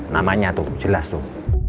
namanya tuh jelas tuh